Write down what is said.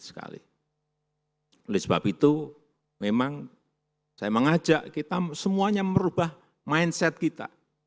oleh sebab itu memang saya mengajak kita semuanya merubah mindset kita